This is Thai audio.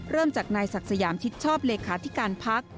เริ่มจากนายศักดิ์สยามชิดชอบเลขาธิการพัก